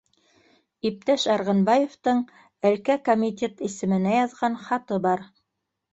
Иптәш Арғынбаевтың әлкә комитет исеменә яҙған хаты бар